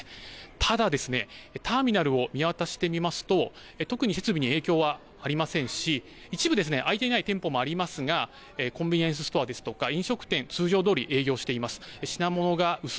ただターミナルを見渡してみますと特に設備に影響はありませんし一部、開いていない店舗もありますがコンビニエンスストアですとか飲食店、通常どおり営業しています。